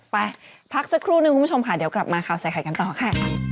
ไปพักสักครู่นึงคุณผู้ชมค่ะเดี๋ยวกลับมาข่าวใส่ไข่กันต่อค่ะ